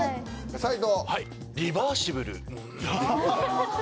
斉藤。